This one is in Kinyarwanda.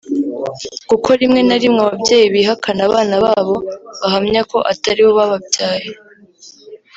kuko rimwe na rimwe ababyeyi bihakana abana babo bahamya ko atari bo bababyaye